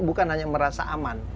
bukan hanya merasa aman